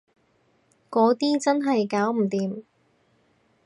嗰啲真係搞唔掂